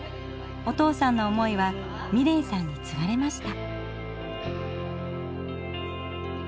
お父さんの思いは美礼さんにつがれました。